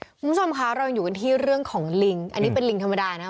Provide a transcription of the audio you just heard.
คุณผู้ชมคะเรายังอยู่กันที่เรื่องของลิงอันนี้เป็นลิงธรรมดานะ